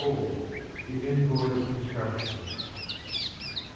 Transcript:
ir THE envoy's instructions